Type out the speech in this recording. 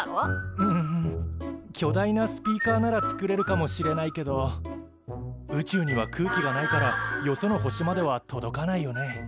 うん巨大なスピーカーなら作れるかもしれないけど宇宙には空気がないからよその星までは届かないよね。